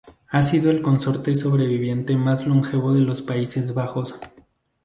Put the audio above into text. Ha sido el consorte sobreviviente más longevo de los Países Bajos.